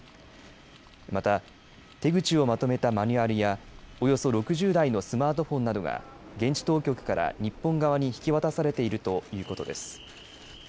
また手口をまとめたマニュアルやおよそ６０台のスマートフォンなどが現地当局から日本側に引き渡されているということです。